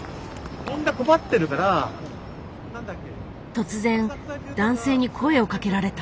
突然男性に声をかけられた。